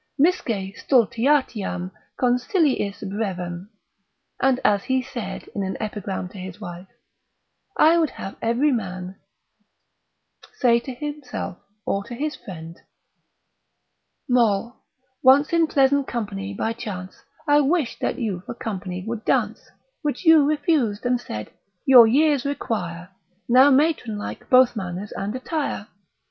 Misce stultitiam consiliis brevem—and as he said in an epigram to his wife, I would have every man say to himself, or to his friend, Moll, once in pleasant company by chance, I wished that you for company would dance: Which you refus'd, and said, your years require, Now, matron like, both manners and attire.